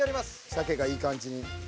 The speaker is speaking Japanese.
鮭がいい感じに。